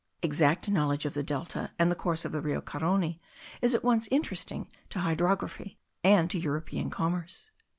Exact knowledge of the delta and the course of the Rio Carony is at once interesting to hydrography and to European commerce.